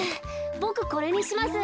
ボクこれにします。